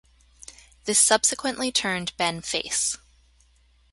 This subsequently turned Ben face.